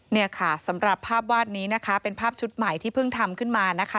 เนี่ยค่ะสำหรับภาพวาดนี้นะคะเป็นภาพชุดใหม่ที่เพิ่งทำขึ้นมานะคะ